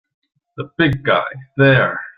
The big guy there!